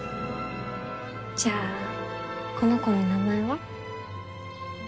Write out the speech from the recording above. じゃあこの子の名前は？